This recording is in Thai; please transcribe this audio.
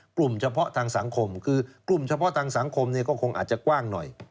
กลุ่มเฉพาะทางสังคมคือกลุ่มเฉพาะทางสังคมเนี่ยก็คงอาจจะกว้างหน่อย